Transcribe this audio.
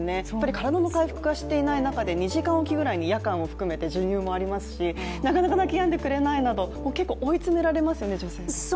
体の回復がしていない中で２時間おきに夜間に授乳もありますしなかなか泣き止んでくれないなど結構追い詰められますよね、女性。